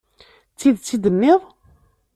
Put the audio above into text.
D tidet i d-tenniḍ.